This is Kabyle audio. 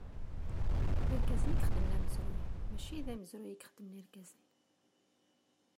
D Irgazen i ixedmen amezruy mači d amezruy i ixedmen Irgazen.